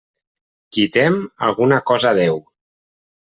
Qui tem, alguna cosa deu.